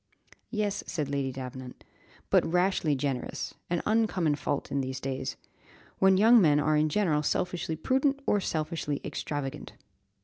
"Yes," said Lady Davenant, "but rashly generous; an uncommon fault in these days, when young men are in general selfishly prudent or selfishly extravagant."